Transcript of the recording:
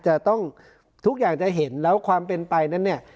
จะต้องทุกอย่างจะเห็นแล้วความเป็นไปนั้นเนี่ย